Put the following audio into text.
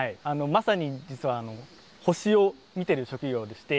まさに実は星を見てる職業でして。